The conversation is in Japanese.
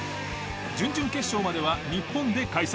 準々決勝までは日本で開催。